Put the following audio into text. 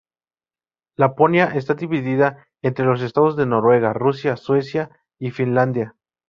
Laponia está dividida entre los Estados de Noruega, Rusia, Suecia y Finlandia.